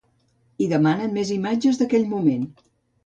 I demanen més imatges d’aquell moment.